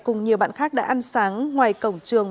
cùng nhiều bạn khác đã ăn sáng ngoài cổng trường